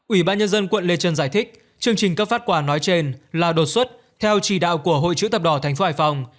ủy ban nhân dân quận lê trân giải thích chương trình cấp phát quà nói trên là đột xuất theo chỉ đạo của hội chữ thập đỏ tp hải phòng